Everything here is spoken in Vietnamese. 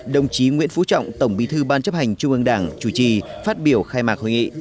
đồng chí nguyễn phú trọng tổng bí thư ban chấp hành trung ương đảng chủ trì phát biểu khai mạc hội nghị